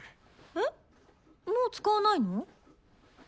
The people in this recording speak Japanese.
えっもう使わないの？